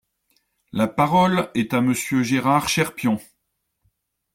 La parole est à Monsieur Gérard Cherpion.